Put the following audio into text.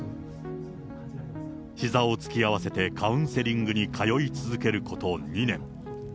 ひざを突き合わせてカウンセリングに通い続けること２年。